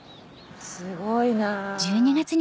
すごいな。